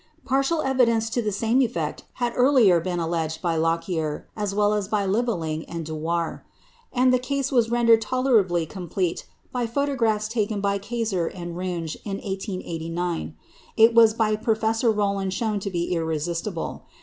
Partial evidence to the same effect had earlier been alleged by Lockyer, as well as by Liveing and Dewar; and the case was rendered tolerably complete by photographs taken by Kayser and Runge in 1889. It was by Professor Rowland shown to be irresistible.